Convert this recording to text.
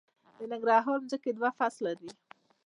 د ننګرهار ځمکې دوه فصله دي